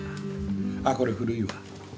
あっこれ古いわ。